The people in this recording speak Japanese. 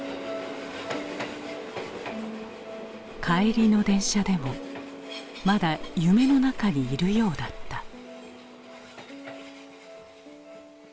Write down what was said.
帰りの電車でもまだ夢の中にいるようだった。